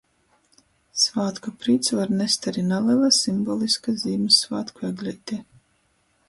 Svātku prīcu var nest ari nalela simboliska Zīmyssvātku egleite.